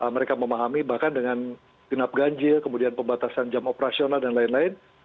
mereka memahami bahkan dengan genap ganjil kemudian pembatasan jam operasional dan lain lain